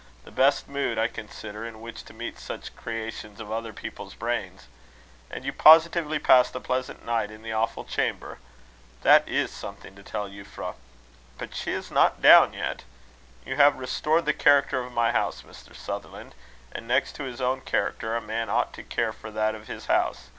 "The best mood, I consider, in which to meet such creations of other people's brains! And you positively passed a pleasant night in the awful chamber? That is something to tell Euphra. But she is not down yet. You have restored the character of my house, Mr. Sutherland; and next to his own character, a man ought to care for that of his house.